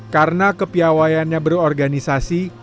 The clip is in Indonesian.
karena kepiawayaannya berorganisasi